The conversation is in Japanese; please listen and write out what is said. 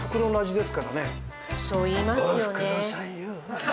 そう言いますよね。